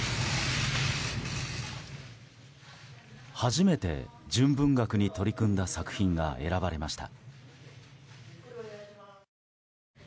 初めて純文学に取り組んだ作品が選ばれました。